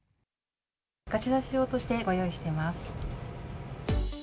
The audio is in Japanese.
貸し出し用としてご用意してます。